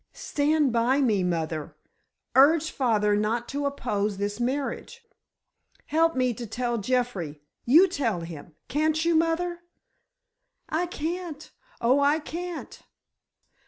"Stand by me, mother. Urge father not to oppose this marriage. Help me to tell Jeffrey—you tell him, can't you, mother? I can't—oh, I can't!"